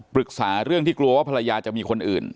ปรึกษาเรื่องที่กลัวว่าภรรยาจะมีคนอื่น